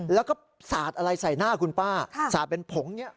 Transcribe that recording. แล้วก็สาดอะไรใส่หน้าคุณป้าสาดเป็นผงอย่างนี้